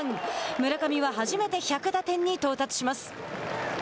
村上は初めて１００打点に到達します。